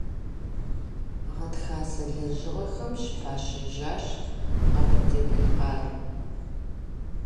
Гъатхасэ лэжьыгъэхэм щыпащэжащ Къэбэрдей-Балъкъэрым.